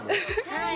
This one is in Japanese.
はい。